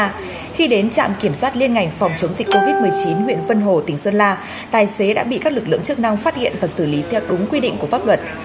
trước khi đến trạm kiểm soát liên ngành phòng chống dịch covid một mươi chín huyện vân hồ tỉnh sơn la tài xế đã bị các lực lượng chức năng phát hiện và xử lý theo đúng quy định của pháp luật